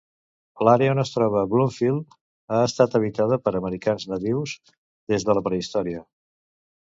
L'àrea on es troba Bloomfield ha estat habitada per americans natius des de la prehistòria.